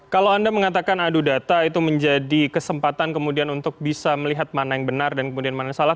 kalau anda mengatakan adu data itu menjadi kesempatan kemudian untuk bisa melihat mana yang benar dan kemudian mana yang salah